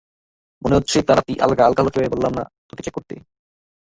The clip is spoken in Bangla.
মনে হচ্ছে তারটি আলগা, আলগা হলো কিভাবে, বললাম না তোকে চেক করতে।